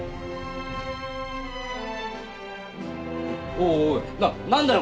おいおいな何だよ？